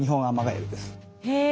へえ。